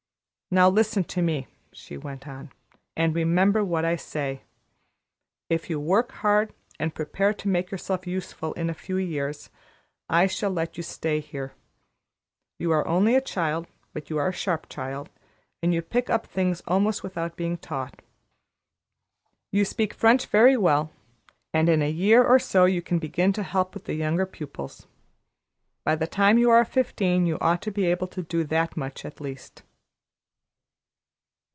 "Now listen to me," she went on, "and remember what I say. If you work hard and prepare to make yourself useful in a few years, I shall let you stay here. You are only a child, but you are a sharp child, and you pick up things almost without being taught. You speak French very well, and in a year or so you can begin to help with the younger pupils. By the time you are fifteen you ought to be able to do that much at least."